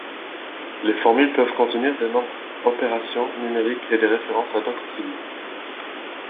Les formules peuvent contenir des nombres, opérations numériques et des références à d'autres cellules.